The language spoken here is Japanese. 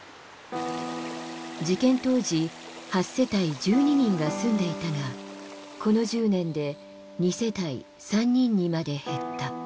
事件当時８世帯１２人が住んでいたがこの１０年で２世帯３人にまで減った。